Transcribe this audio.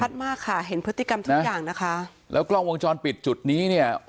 มากค่ะเห็นพฤติกรรมทุกอย่างนะคะแล้วกล้องวงจรปิดจุดนี้เนี่ย